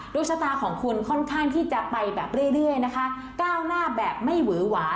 ดวงชะตาของคุณค่อนข้างที่จะไปแบบเรื่อยนะคะก้าวหน้าแบบไม่หวือหวา